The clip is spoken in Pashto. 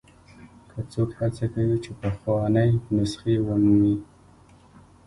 که څوک هڅه کوي چې پخوانۍ نسخې ومومي.